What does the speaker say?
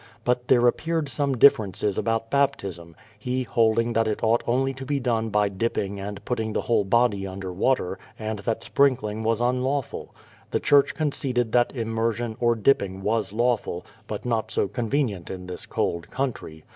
But there occurred some differ ences about baptism, he holding that it ought only to be done by dipping and putting the whole body under water, and that sprinkling was unlawful. The church conceded that immer sion, or dipping, was lawful, but not so convenient in this cold country.